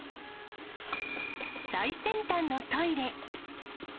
最先端のトイレ。